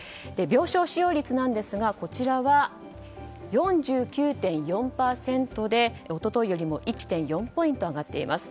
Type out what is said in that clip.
病床使用率は、４９．４％で一昨日よりも１．４ポイント上がっています。